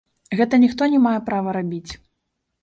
Гэта ніхто не мае права рабіць!